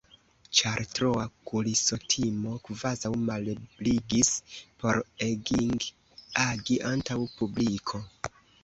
Ĉar troa kulisotimo kvazaŭ malebligis por Egging agi antaŭ publiko.